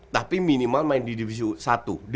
tapi minimal main di divisi satu